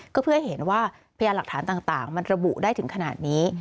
ก็เพื่อให้เห็นว่าพยานหลักฐานต่างมันระบุได้ถึงขนาดนี้